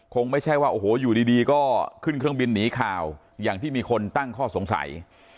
คงไม่ใช่ว่าโอ้โหอยู่ดีก็ขึ้นเครื่องบินหนีข่าวอย่างที่มีคนตั้งข้อสงสัย